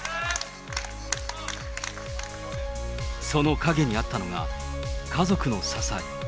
その陰にあったのが、家族の支え。